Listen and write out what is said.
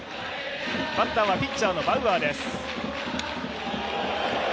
バッターはピッチャーのバウアーです。